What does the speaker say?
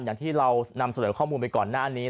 อย่างที่เรานำเสนอข้อมูลไปก่อนหน้านี้